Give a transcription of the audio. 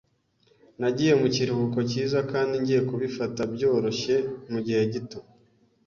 Nagiye mu kiruhuko cyiza kandi ngiye kubifata byoroshye mugihe gito.